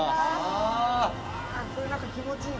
これ何か気持ちいい